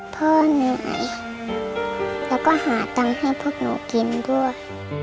พ่อเหนื่อยแล้วก็หาตังค์ให้พวกหนูกินด้วย